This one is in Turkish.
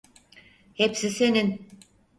Hepsi senin.